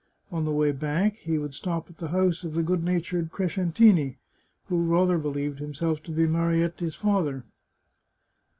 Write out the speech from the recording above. On the way back he would stop at the house of the good natured Crescentini, who rather believed himself to be Marietta's father.